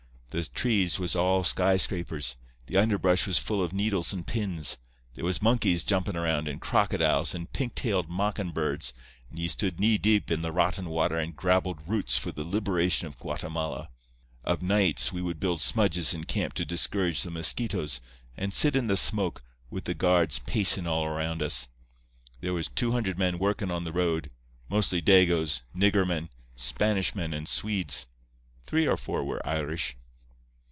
The trees was all sky scrapers; the underbrush was full of needles and pins; there was monkeys jumpin' around and crocodiles and pink tailed mockin' birds, and ye stood knee deep in the rotten water and grabbled roots for the liberation of Guatemala. Of nights we would build smudges in camp to discourage the mosquitoes, and sit in the smoke, with the guards pacin' all around us. There was two hundred men workin' on the road—mostly Dagoes, nigger men, Spanish men and Swedes. Three or four were Irish.